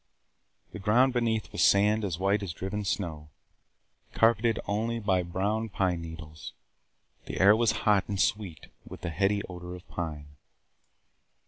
The ground beneath was sand as white as driven snow, carpeted only by the brown pine needles. The air was hot and sweet with the heady odor of pine.